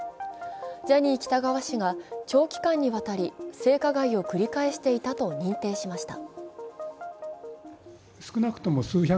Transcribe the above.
ジャニー喜多川氏が長期間にわたり性加害を繰り返していたと認定しました。